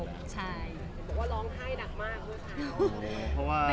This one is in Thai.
บอกว่าร้องไทยดักมากครับ